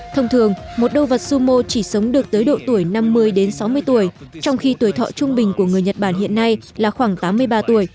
thông thường một đô vật sumo chỉ sống được tới độ tuổi năm mươi đến sáu mươi tuổi trong khi tuổi thọ trung bình của người nhật bản hiện nay là khoảng tám mươi ba tuổi